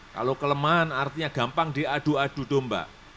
kalau kelemahan artinya gampang diadu adu domba